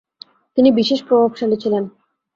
তিনি বিশেষ প্রভাবশালী ছিলেন।